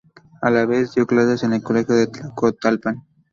A la vez dio clases en el Colegio de Tlacotalpan.